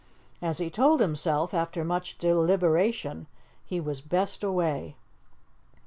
As he told himself, after much deliberation, he was "best away."